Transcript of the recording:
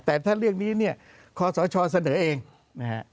แต่ถ้าเรื่องนี้เนี่ยคอสชเสนอเองนะฮะ